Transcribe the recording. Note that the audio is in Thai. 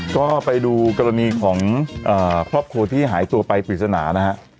ก็ไปดูกรณีของครอบครัวที่หายตัวไปปริศนานะฮะ